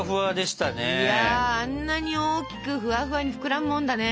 いやあんなに大きくフワフワに膨らむもんだね。